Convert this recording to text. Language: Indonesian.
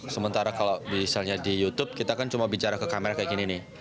sementara kalau misalnya di youtube kita kan cuma bicara ke kamera kayak gini nih